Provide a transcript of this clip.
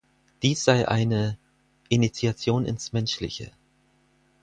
Dies sei eine „Initiation ins Menschliche“.